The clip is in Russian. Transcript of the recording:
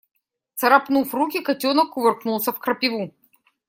Царапнув руки, котенок кувыркнулся в крапиву.